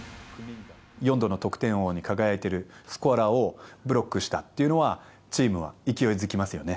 ４度の得点王に輝いているスコアラーをブロックしたというのは、チームは勢いづきますよね。